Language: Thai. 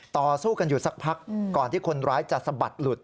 ต่อสู้กันอยู่สักพักก่อนที่คนร้ายจะสะบัดหลุด